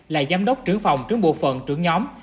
là giám đốc trưởng phòng trưởng bộ phận trưởng nhóm